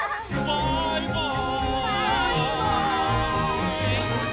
バイバーイ！